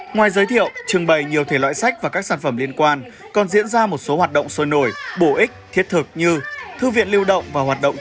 ngoài giới thiệu trưng bày nhiều thể loại sách và các sản phẩm liên quan còn diễn ra một số hoạt động sôi nổi bổ ích thiết thực như thư viện lưu động và hoạt động trang trí